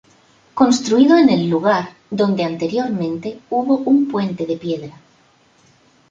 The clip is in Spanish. Construido en el lugar donde anteriormente hubo un puente de piedra.